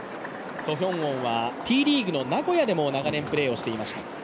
ソ・ヒョウォンはＴリーグの名古屋でも長年プレーしていました。